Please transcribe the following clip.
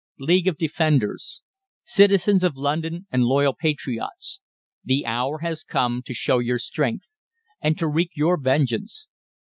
=LEAGUE OF DEFENDERS.= CITIZENS OF LONDON AND LOYAL PATRIOTS. The hour has come to show your strength, and to wreak your vengeance.